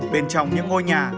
bên trong những ngôi nhà